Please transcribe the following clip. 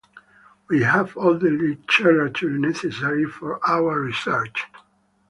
We have all the literature necessary for our research.